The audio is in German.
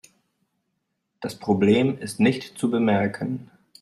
Das Problem ist nicht zu bemerken.